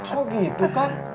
mau gitu kan